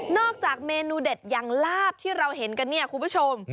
จากเมนูเด็ดอย่างลาบที่เราเห็นกันเนี่ยคุณผู้ชม